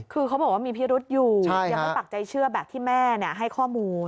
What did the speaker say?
คือเขาบอกว่ามีพิรุษอยู่ยังไม่ปักใจเชื่อแบบที่แม่ให้ข้อมูล